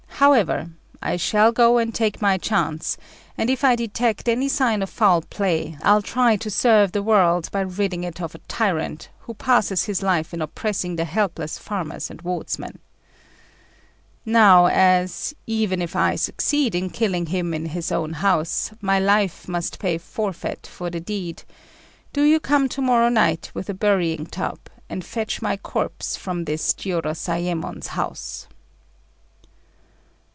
However, I shall go and take my chance; and if I detect any sign of foul play, I'll try to serve the world by ridding it of a tyrant, who passes his life in oppressing the helpless farmers and wardsmen. Now as, even if I succeed in killing him in his own house, my life must pay forfeit for the deed, do you come to morrow night with a burying tub, and fetch my corpse from this Jiurozayémon's house."